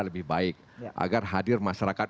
lebih baik agar hadir masyarakat